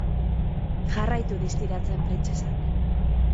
Jarraitu distiratzen, printzesak.